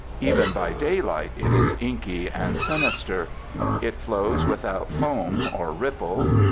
Even by daylight it is inky and sinister. It flows without foam or ripple.